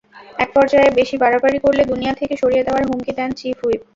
একপর্যায়ে বেশি বাড়াবাড়ি করলে দুনিয়া থেকে সরিয়ে দেওয়ার হুমকি দেন চিফ হুইপ।